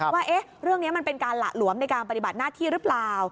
ว่าเรื่องนี้มันเป็นการหละหลวมในการปฏิบัติหน้าที่หรือเปล่า